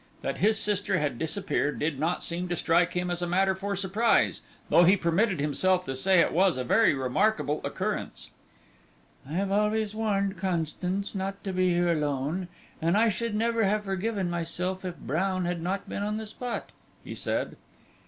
That his sister had disappeared did not seem to strike him as a matter for surprise, though he permitted himself to say that it was a very remarkable occurrence. "I have always warned Constance not to be here alone, and I should never have forgiven myself if Brown had not been on the spot," he said.